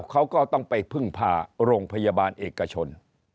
เขาก็ต้องไปพึ่งพาโรงพยาบาลเอกชน